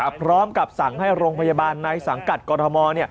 พร้อมกับสั่งให้โรงพยาบาลในสังกัดกรทม